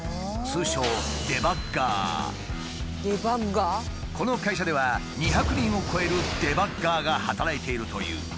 通称この会社では２００人を超えるデバッガーが働いているという。